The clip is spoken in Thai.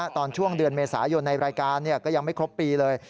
ตอนช่วงเดือนเมษายนในรายการก็ยังไม่ครบปีเลย